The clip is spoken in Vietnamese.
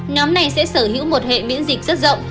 nhóm này sẽ sở hữu một hệ miễn dịch rất rộng